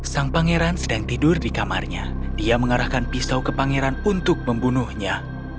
sang pangeran sedang tidur di kamarnya dia mengarahkan pisau ke pangeran untuk membunuhnya